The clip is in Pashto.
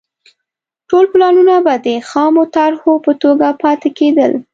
ټول پلانونه به د خامو طرحو په توګه پاتې کېدل